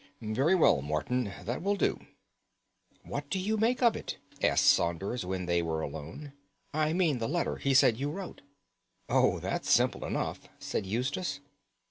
"Very well, Morton, that will do." "What do you make of it?" asked Saunders when they were alone. "I mean of the letter he said you wrote." "Oh, that's simple enough," said Eustace.